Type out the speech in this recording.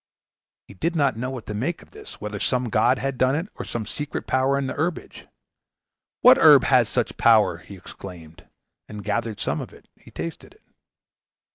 He did not know what to make of this, whether some god had done it or some secret power in the herbage. "What herb has such a power?" he exclaimed; and gathering some of it, he tasted it.